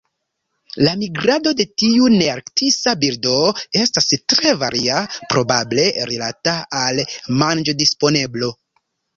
La migrado de tiu nearktisa birdo estas tre varia, probable rilata al manĝodisponeblo.